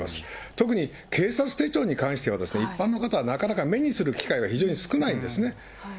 特に警察手帳に関しては、一般の方はなかなか目にする機会が非常に少ないですね。